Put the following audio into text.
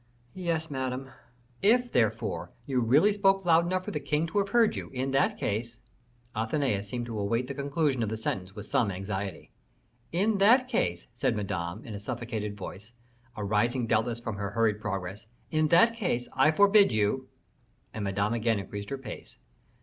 "Yes, Madame." "If, therefore, you really spoke loud enough for the king to have heard you, in that case " Athenais seemed to await the conclusion of the sentence with some anxiety. "In that case," said Madame, in a suffocated voice, arising doubtless from her hurried progress, "in that case, I forbid you " And Madame again increased her pace.